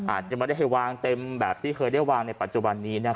อาจจะไม่ได้ให้วางเต็มแบบที่เคยได้วางในปัจจุบันนี้